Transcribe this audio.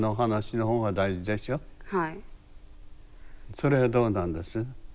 それはどうなんです？